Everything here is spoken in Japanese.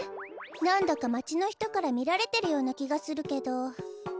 なんだかまちのひとからみられてるようなきがするけど。